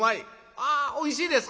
「ああおいしいですか。